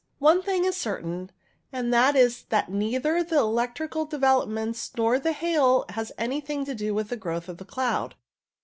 One thing is certain, and that is that neither the electrical developments nor the hail has anything to do with the growth of the cloud.